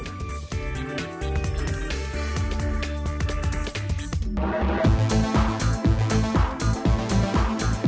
โปรดติดตามตอนต่อไป